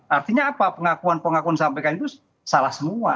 artinya apa pengakuan pengakuan sampaikan itu salah semua